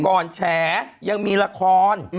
ก่อนแฉยังมีละคร